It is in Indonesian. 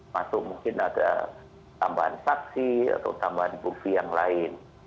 masuk mungkin ada tambahan saksi atau tambahan bukti yang lain